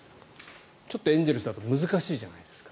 ちょっとエンゼルスだと難しいじゃないですか。